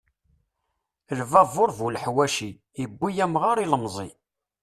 Lbabur bu leḥwaci, iwwi amɣar ilemẓi.